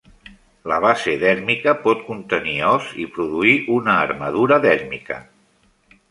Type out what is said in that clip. La base dèrmica pot contenir os i produir una armadura dèrmica.